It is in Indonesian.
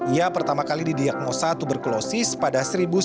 ia pertama kali didiagnosa tuberkulosis pada seribu sembilan ratus sembilan puluh